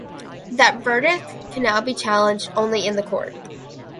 That verdict can now be challenged only in the court.